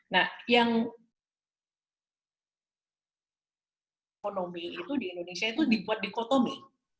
nah yang ekonomi itu di indonesia itu dibuat dikotomi